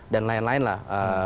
dan lain lain lah